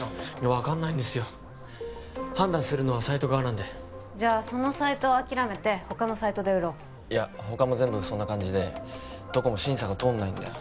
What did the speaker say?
分かんないんですよ判断するのはサイト側なんでじゃあそのサイトは諦めて他のサイトで売ろういや他も全部そんな感じでどこも審査が通んないんだよ